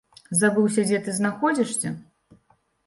Забыўся, дзе ты знаходзішся?